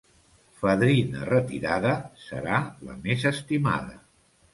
Fadrina retirada serà la més estimada.